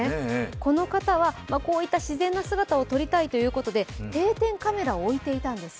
この方はこういった自然な姿を撮りたいということで定点カメラを置いていたんです。